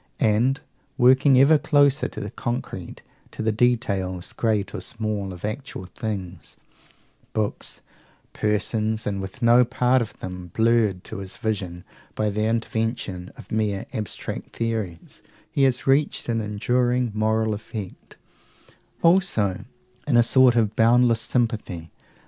And, working ever close to the concrete, to the details, great or small, of actual things, books, persons, and with no part of them blurred to his vision by the intervention of mere abstract theories, he has reached an enduring moral effect also, in a sort of boundless sympathy.